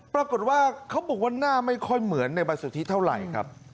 ปรากฏว่าเขาบอกว่าหน้าไม่ค่อยเหมือนในใบสุทธิเท่าไหร่ครับ